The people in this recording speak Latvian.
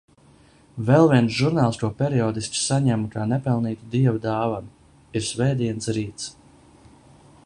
Vēl viens žurnāls, ko periodiski saņemu kā nepelnītu Dieva dāvanu, ir Svētdienas Rīts.